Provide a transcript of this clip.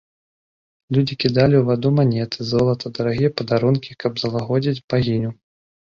Людзі кідалі ў ваду манеты, золата, дарагія падарункі, каб залагодзіць багіню.